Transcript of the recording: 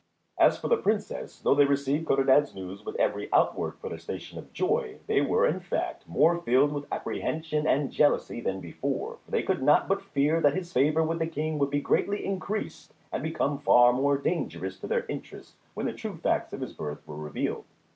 As for the Princes, though they received Codadad's news with every outward protestation of joy, they were in fact more filled with apprehension and jealousy than before, for they could not but fear that his favour with the King would be greatly increased and become far more dangerous to their interests when the true facts of his birth were revealed.